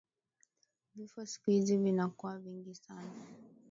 Vifo siku izi vinakuwa vingi sana